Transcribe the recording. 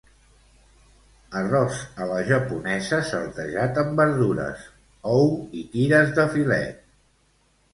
Arròs a la japonesa saltejat amb verdures, ou i tires de filet.